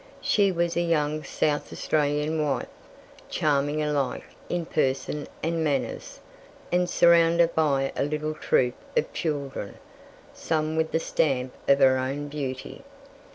She was a young South Australian wife, charming alike in person and manners, and surrounded by a little troop of children, some with the stamp of her own beauty.